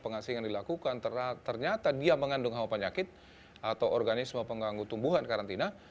pengasingan dilakukan ternyata dia mengandung hama penyakit atau organisme pengganggu tumbuhan karantina